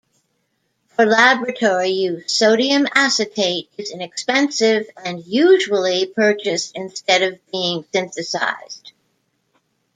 For laboratory use, sodium acetate is inexpensive and usually purchased instead of being synthesized.